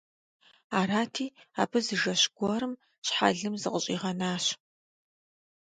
Арати, абы зы жэщ гуэрым щхьэлым зыкъыщӀигъэнащ.